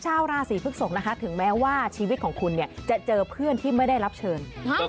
ชาวราศีพฤกษกนะคะถึงแม้ว่าชีวิตของคุณเนี่ยจะเจอเพื่อนที่ไม่ได้รับเชิญ